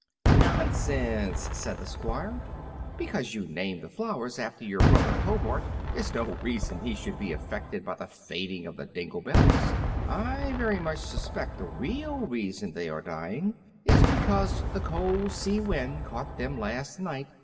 "Nonsense!" said the Squire; "because you named the flowers after your brother Hobart is no reason he should be affected by the fading of the dingle bells. I very much suspect the real reason they are dying is because the cold sea wind caught them last night.